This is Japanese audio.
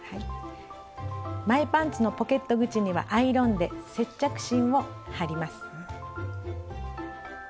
前パンツのポケット口にはアイロンで接着芯を貼ります。